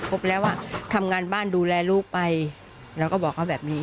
แล้วอ่ะทำงานบ้านดูแลลูกไปเราก็บอกเขาแบบนี้